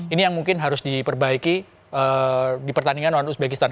ini yang mungkin harus diperbaiki di pertandingan non uzbekistan